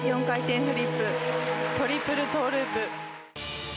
４回転フリップトリプルトウループ。